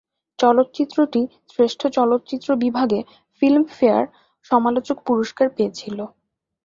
চলচ্চিত্রটি শ্রেষ্ঠ চলচ্চিত্র বিভাগে ফিল্মফেয়ার সমালোচক পুরস্কার পেয়েছিলো।